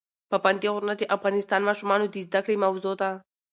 پابندي غرونه د افغان ماشومانو د زده کړې موضوع ده.